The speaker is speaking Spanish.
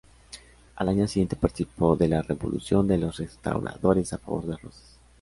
Al año siguiente participó de la Revolución de los Restauradores a favor de Rosas.